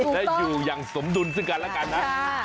และอยู่อย่างสมดุลซึ่งกันแล้วกันนะ